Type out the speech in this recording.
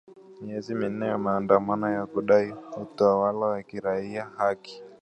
miezi minne ya maandamano ya kudai utawala wa kiraia na haki